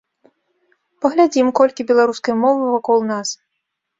Паглядзім, колькі беларускай мовы вакол нас!